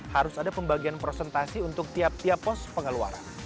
harus ada pembagian prosentasi untuk tiap tiap pos pengeluaran